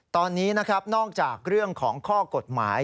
ตอนนี้นะครับนอกจากเรื่องของข้อกฎหมาย